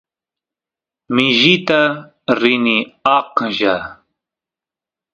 mishita rini aqlla